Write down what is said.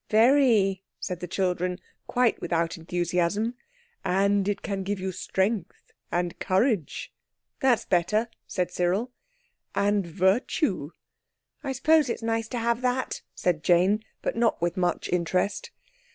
"Very," said the children, quite without enthusiasm. "And it can give you strength and courage." "That's better," said Cyril. "And virtue." "I suppose it's nice to have that," said Jane, but not with much interest.